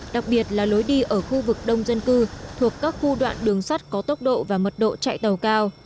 đặc biệt là lối đi ở khu vực đông dân cư thuộc các khu đoạn đường sắt có tốc độ và mật độ chạy tàu cao